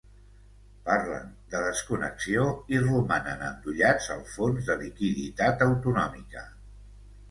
Parlen de desconnexió i romanen endollats al fons de liquiditat autonòmica.